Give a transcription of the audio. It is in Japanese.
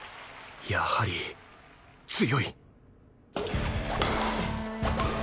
やはり強い！